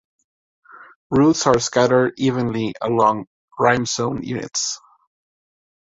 Roots are scattered evenly along rhizome units.